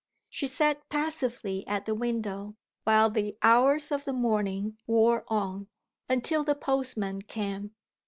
She sat passively at the window, while the hours of the morning wore on, until the postman came.